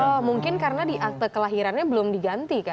oh mungkin karena di akte kelahirannya belum diganti kan